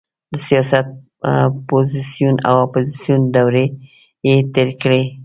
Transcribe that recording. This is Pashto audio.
د سیاست پوزیسیون او اپوزیسیون دورې یې تېرې کړې.